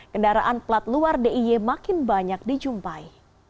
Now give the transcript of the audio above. kendaraan pelat luar diy makin banyak dijumpai